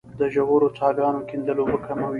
د ژورو څاګانو کیندل اوبه کموي